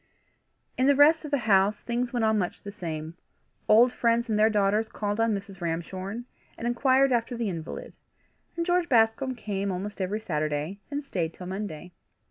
In the rest of the house things went on much the same. Old friends and their daughters called on Mrs. Ramshorn, and inquired after the invalid, and George Bascombe came almost every Saturday, and stayed till Monday.